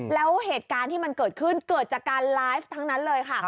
แล้วเหตุการณ์ที่มันเกิดขึ้นเกิดจากการไลฟ์ทั้งนั้นเลยค่ะ